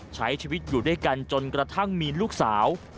ใช้ชีวิตอยู่ด้วยกันจนกระทั่งมีลูกสาว